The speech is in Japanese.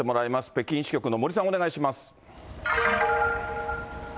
北京支局の森さん、お願いします。